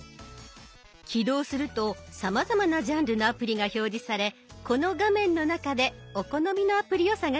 起動するとさまざまなジャンルのアプリが表示されこの画面の中でお好みのアプリを探していきます。